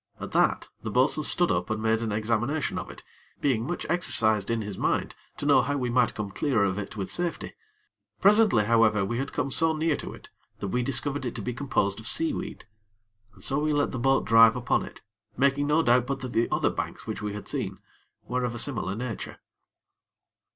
At that, the bo'sun stood up and made an examination of it, being much exercised in his mind to know how we might come clear of it with safety. Presently, however, we had come so near to it that we discovered it to be composed of seaweed, and so we let the boat drive upon it, making no doubt but that the other banks, which we had seen, were of a similar nature.